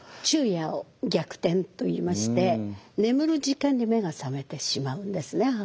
昼夜を逆転といいまして眠る時間に目が覚めてしまうんですね